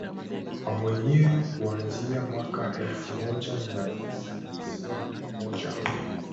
kwa wenyewe kuanzia mwaka elfumoja miatisa tisini na moja